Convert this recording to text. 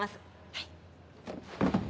はい。